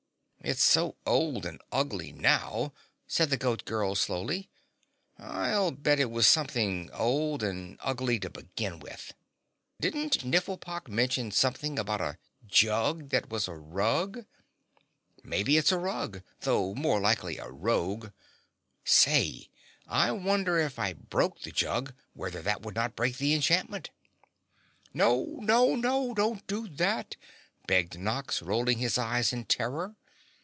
"It's so old and ugly now," said the Goat Girl slowly, "I'll bet it was something old and ugly to begin with. Didn't Nifflepok mention something about a jug that was a rug? Maybe it's a rug, though more likely a rogue. Say, I wonder if I broke the jug whether that would not break the enchantment?" "Oh, no, no, no! Don't do that!" begged Nox, rolling his eyes in terror.